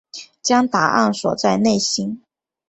将答案锁在内心